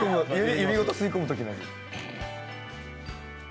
指ごと吸い込む。